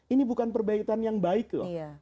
ini bukan perbaikan yang baik loh